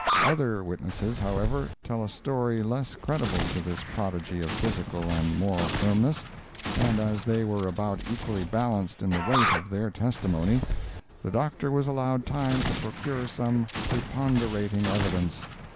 Other witnesses, however, tell a story less creditable to this prodigy of physical and moral firmness, and as they were about equally balanced in the weight of their testimony, the Doctor was allowed time to procure some preponderating evidence.